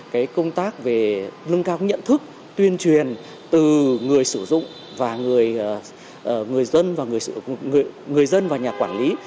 cái công tác về lưng cao nhận thức tuyên truyền từ người sử dụng và người dân và nhà quản lý